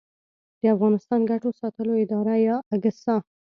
د افغانستان ګټو ساتلو اداره یا اګسا